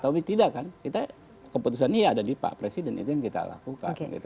tapi tidak kan kita keputusan ini ada di pak presiden itu yang kita lakukan